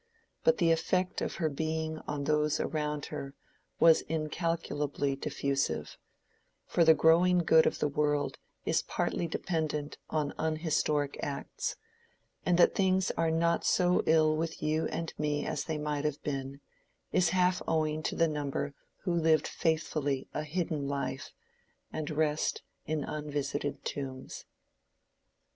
But the effect of her being on those around her was incalculably diffusive: for the growing good of the world is partly dependent on unhistoric acts; and that things are not so ill with you and me as they might have been, is half owing to the number who lived faithfully a hidden life, and rest in unvisited tombs.